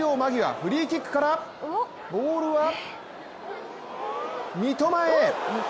フリーキックからボールは三笘へ。